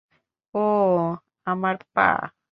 ওহ আমার পা।